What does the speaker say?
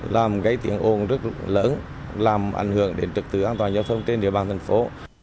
làm gây tiếng ồn rất lớn làm ảnh hưởng đến trực tự an toàn giao thông trên địa bàn thành phố